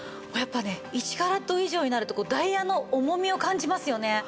もうやっぱりね１カラット以上になるとダイヤの重みを感じますよね。